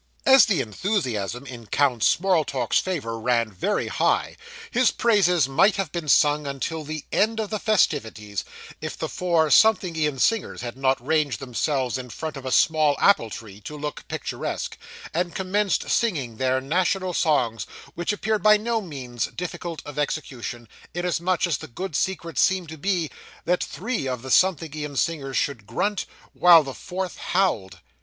As the enthusiasm in Count Smorltork's favour ran very high, his praises might have been sung until the end of the festivities, if the four something ean singers had not ranged themselves in front of a small apple tree, to look picturesque, and commenced singing their national songs, which appeared by no means difficult of execution, inasmuch as the grand secret seemed to be, that three of the something ean singers should grunt, while the fourth howled.